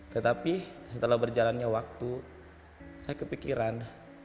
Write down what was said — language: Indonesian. tetapi setelah berjalannya waktu saya kepikiran